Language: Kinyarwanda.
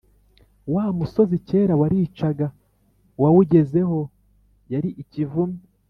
wa musozi kera waricaga uwawugezeho yari ikivume